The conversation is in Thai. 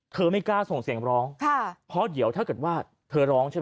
ไม่กล้าส่งเสียงร้องค่ะเพราะเดี๋ยวถ้าเกิดว่าเธอร้องใช่ไหม